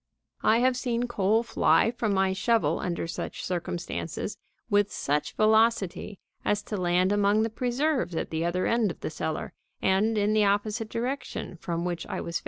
I have seen coal fly from my shovel under such circumstances with such velocity as to land among the preserves at the other end of the cellar and in the opposite direction from which I was facing.